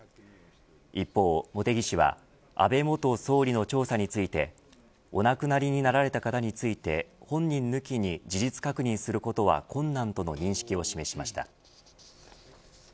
一方、茂木氏は安倍元総理の調査についてお亡くなりになられた方について本人抜きに事実確認することは困難との認識を示しました。